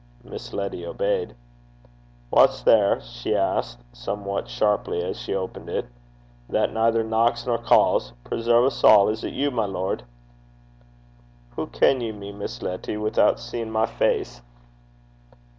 Miss Letty obeyed. 'Wha's there?' she asked, somewhat sharply, as she opened it, 'that neither chaps (knocks) nor ca's? Preserve 's a'! is't you, my lord?' 'Hoo ken ye me, Miss Letty withoot seein' my face?'